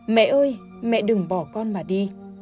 mẹ ơi mẹ đừng bỏ con mà đi